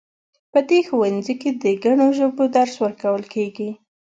په دې ښوونځي کې د ګڼو ژبو درس ورکول کیږي